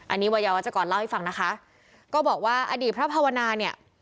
อันนี้วัยวัชกรเล่าให้ฟังนะคะก็บอกว่าอดีตพระภาวนาเนี่ย